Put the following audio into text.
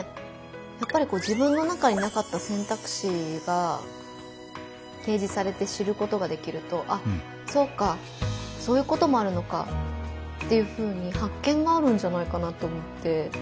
やっぱり自分の中になかった選択肢が提示されて知ることができるとあっそうかそういうこともあるのかっていうふうに発見があるんじゃないかなと思って。